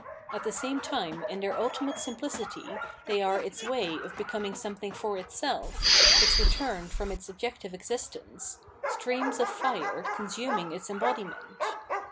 At the same time in their ultimate simphcity they are its way of becoming something for itself, its return from its objective existence, streams of fire consuming its embodiment.